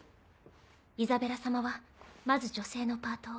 イザベラ様はまず女性のパートを。